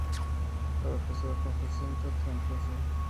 Estaba casado con Jacinta Troncoso.